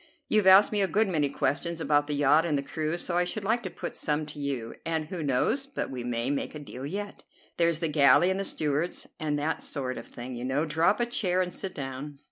You've asked me a good many questions about the yacht and the crew, so I should like to put some to you, and who knows but we may make a deal yet. There's the galley and the stewards, and that sort of thing, you know. Draw up a chair and sit down."